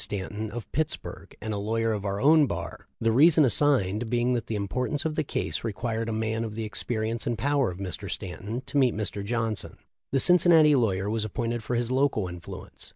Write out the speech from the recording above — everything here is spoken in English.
Stanton, of Pittsburg, and a lawyer of our own bar, the reason assigned being that the importance of the case re quired a man of the experience and power of Mr. Stanton to meet Mr. Johnson. The Cincinnati law yer was appointed for his 'local influence.'